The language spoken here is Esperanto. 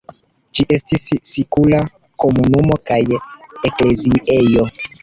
Ĝi estis sikula komunumo kaj ekleziejo.